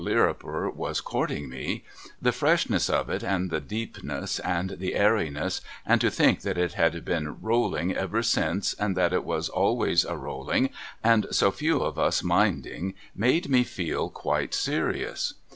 irriper was courting me, the freshness of it and the deepness and the airiness and to think that it had l)een rolUng ever since and that it was always a rolling and so few of us minding, made me feel (juite serious.